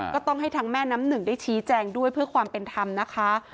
ก็ต้องให้ทางแม่น้ำหนึ่งได้ชี้แจงด้วยเพื่อความเป็นธรรมนะคะ